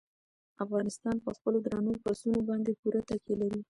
افغانستان په خپلو درنو پسونو باندې پوره تکیه لري.